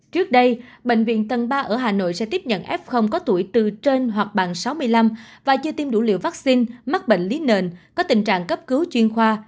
trước đây bệnh viện tân ba ở hà nội sẽ tiếp nhận f có tuổi từ trên hoặc bằng sáu mươi năm và chưa tiêm đủ liều vaccine mắc bệnh lý nền có tình trạng cấp cứu chuyên khoa